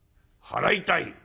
払いたい」。